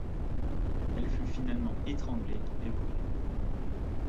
Elle fut finalement étranglée et brûlée.